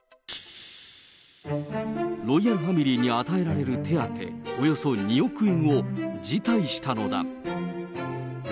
ロイヤルファミリーに与えられる手当、およそ２億円を辞退したのだ。